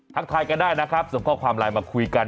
ทายกันได้นะครับส่งข้อความไลน์มาคุยกัน